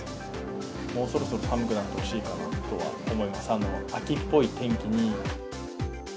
もうそろそろ寒くなってほしいかなとは思います、秋っぽい天気に。